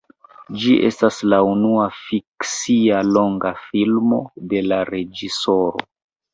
Ĝi estas la unua fikcia longa filmo de la reĝisoro.